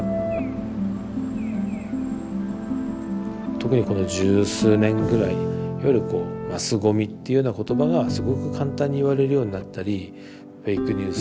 特にこの十数年ぐらいいわゆる「マスゴミ」っていうような言葉がすごく簡単に言われるようになったりフェイクニュース